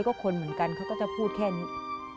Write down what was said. ก็คนเหมือนกันเขาก็จะพูดแค่นี้